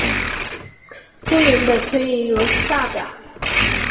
近年的推移如下表。